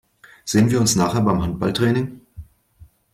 Sehen wir uns nachher beim Handballtraining?